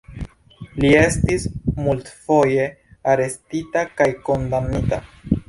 Li estis multfoje arestita kaj kondamnita.